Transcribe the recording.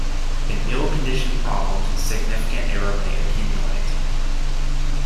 In ill-conditioned problems, significant error may accumulate.